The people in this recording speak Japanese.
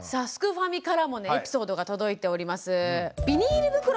ファミからもねエピソードが届いております。